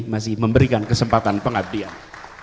masih memberikan kesempatan pengabdian